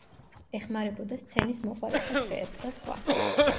ეხმარებოდა სცენის მოყვარეთა წრეებს და სხვა.